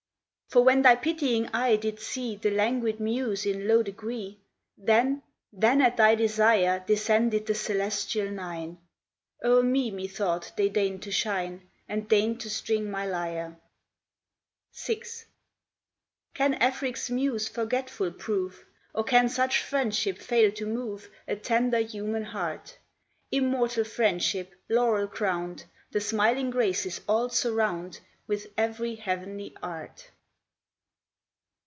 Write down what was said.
For when thy pitying eye did see The languid muse in low degree, Then, then at thy desire Descended the celestial nine; O'er me methought they deign'd to shine, And deign'd to string my lyre. VI. Can Afric's muse forgetful prove? Or can such friendship fail to move A tender human heart? Immortal Friendship laurel crown'd The smiling Graces all surround With ev'ry heav'nly Art.